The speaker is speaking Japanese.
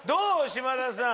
島田さん